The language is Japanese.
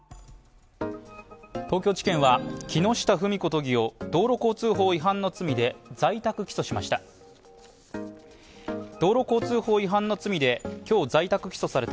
東京地検は木下富美子都議を道路交通法違反の罪で在宅起訴しました。